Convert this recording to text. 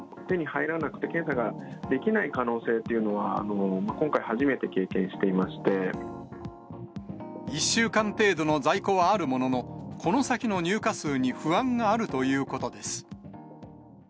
手に入らなくて、検査ができない可能性というのは、１週間程度の在庫はあるものの、この先の入荷数に不安があるということです。